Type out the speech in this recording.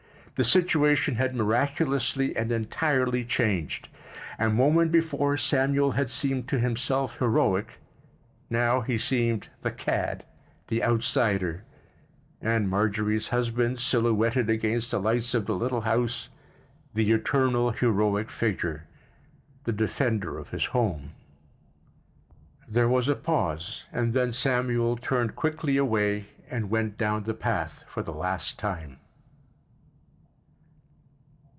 The situation had miraculously and entirely changed—a moment before Samuel had seemed to himself heroic; now he seemed the cad, the outsider, and Marjorie's husband, silhouetted against the lights of the little house, the eternal heroic figure, the defender of his home. There was a pause and then Samuel turned quickly away and went down the path for the last time.